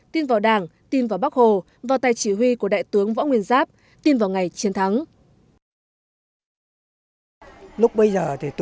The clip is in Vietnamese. tin vào đảng tin vào bắc hồ vào tay chỉ huy của đại tướng võ nguyên giáp tin vào ngày chiến thắng